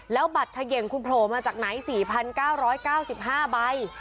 แล้วบัตรเขย่งคุณโผล่มาจากไหน๔๙๙๕ใบ